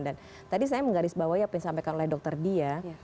dan tadi saya menggaris bawah yang disampaikan oleh dokter dia